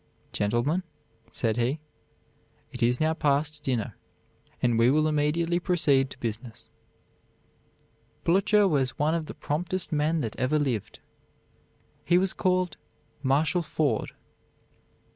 "Gentlemen," said he, "it is now past dinner, and we will immediately proceed to business." Blücher was one of the promptest men that ever lived. He was called "Marshal Forward."